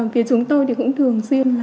vì chúng tôi cũng thường xuyên